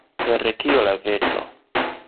Per kio la veto?